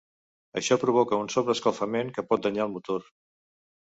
Això provoca un sobreescalfament que pot danyar el motor.